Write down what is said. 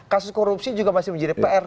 kasus korupsi juga masih menjadi pr